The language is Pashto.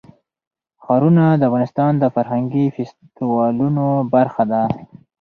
ښارونه د افغانستان د فرهنګي فستیوالونو برخه ده.